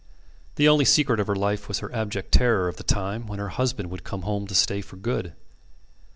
The only secret of her life was her abject terror of the time when her husband would come home to stay for good.